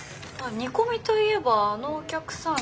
煮込みといえばあのお客さん